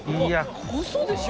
うそでしょ！？